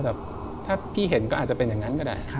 แบบถ้าพี่เห็นก็อาจจะเป็นอย่างนั้นก็ได้